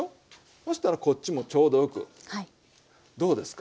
そしたらこっちもちょうどよくどうですか？